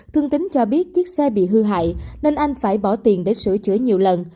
thương tính cho biết chiếc xe bị hư hại nên anh phải bỏ tiền để sửa chữa nhiều lần